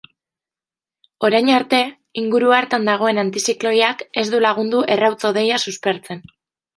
Orain arte, inguru hartan dagoen antizikloiak ez du lagundu errauts hodeia suspertzen.